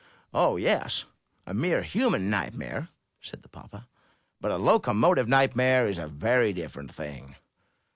''Oh yes, a mere human nightmare," said the papa. *'But a locomotive nightmare is a very different thing."